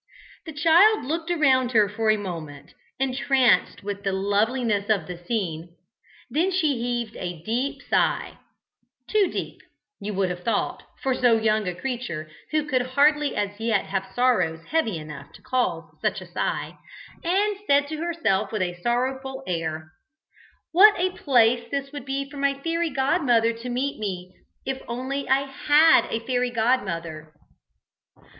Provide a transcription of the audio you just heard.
The child looked around her for a moment, entranced with the loveliness of the scene; then she heaved a deep sigh (too deep, you would have thought, for so young a creature, who could hardly as yet have sorrows heavy enough to cause such a sigh), and said to herself with a sorrowful air: "What a place this would be for my fairy godmother to meet me, if only I had a fairy godmother!